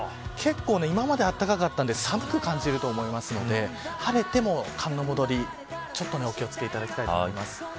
結構今まで暖かかったので寒く感じると思いますので晴れても寒の戻りお気を付けいただきたいと思います。